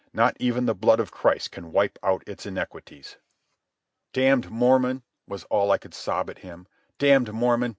Not even the blood of Christ can wipe out its iniquities." "Damned Mormon!" was all I could sob at him. "Damned Mormon!